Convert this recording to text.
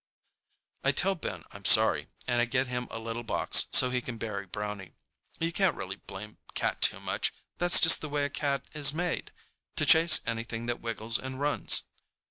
I tell Ben I'm sorry, and I get him a little box so he can bury Brownie. You can't really blame Cat too much—that's just the way a cat is made, to chase anything that wiggles and runs.